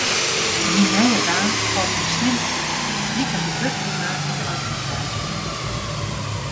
Myn nije baan falt my slim ôf, lykas it wurkklimaat yn de organisaasje.